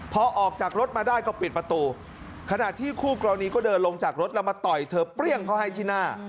พอออกจากรถมาได้ก็ปิดประตูขณะที่คู่กรณีก็เดินลงจากรถแล้วมาต่อยเธอเปรี้ยงเขาให้ที่หน้า